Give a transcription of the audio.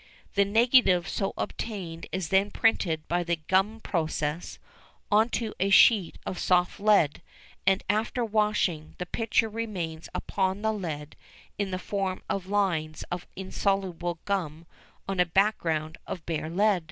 The negative so obtained is then printed by the gum process on to a sheet of soft lead and, after washing, the picture remains upon the lead in the form of lines of insoluble gum on a background of bare lead.